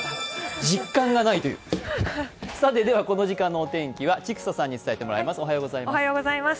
この時間のお天気は千種さんに伝えてもらいます。